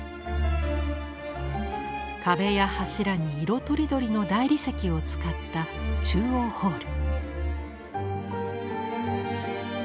壁や柱に色とりどりの大理石を使った中央ホール。